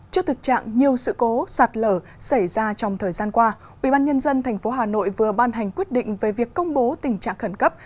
trước thực trạng nhiều sự cố sạt lở xảy ra trong thời gian qua ubnd tp hà nội vừa ban hành quyết định về việc công bố tình trạng khẩn cấp